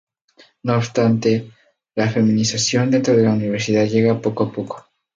No obstante, la feminización dentro de la universidad llega poco a poco.